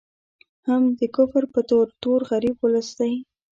هم د کفر په تور، تور غریب ولس دی